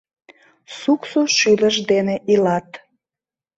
Суксо шӱлыш дене илат.